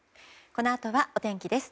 このあとはお天気です。